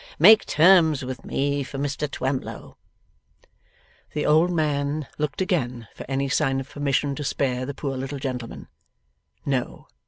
Make terms with me for Mr Twemlow.' The old man looked again for any sign of permission to spare the poor little gentleman. No.